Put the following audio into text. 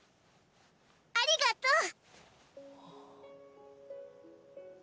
ありがとう。